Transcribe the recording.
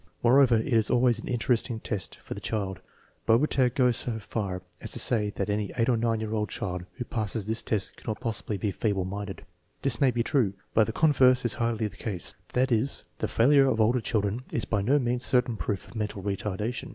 Moreover, it is always an interesting test for the child. Bobertag goes so far as to say that any 8 or 9 year child who passes this test cannot possibly be feeble minded. This may be true; but the converse is hardly the case; that is, the failure of older children is by no means certain proof of mental retardation.